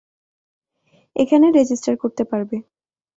এখানে রেজিস্টার করতে পারবে।